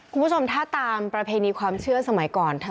คุณผู้ชมถ้าตามประเพณีความเชื่อสมัยก่อน